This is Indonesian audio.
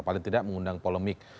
apalagi tidak mengundang polemik